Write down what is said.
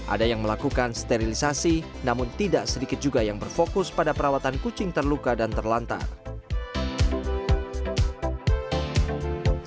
ada yang melakukan sterilisasi namun tidak sedikit juga yang berfokus pada perawatan kucing terluka dan terlantar